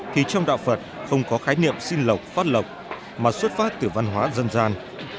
thì trong đạo phật không có khái niệm xin lộc phát lộc mà xuất phát từ văn hóa dân gian